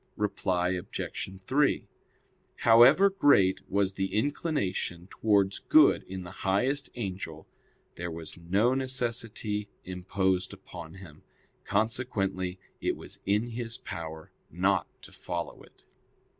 Reply Obj. 3: However great was the inclination towards good in the highest angel, there was no necessity imposed upon him: consequently it was in his power not to follow it.